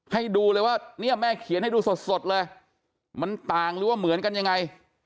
ให้ดูเลยว่าเนี่ยแม่เขียนให้ดูสดเลยมันต่างหรือว่าเหมือนกันยังไง